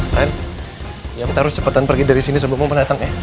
ben kita harus cepetan pergi dari sini sebelum pemenang datang ya